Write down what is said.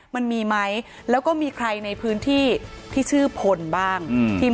มันมีไหมแล้วก็มีใครในพื้นที่ที่ชื่อพลบ้าง